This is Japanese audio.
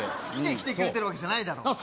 好きで来てくれてるわけじゃないだろ。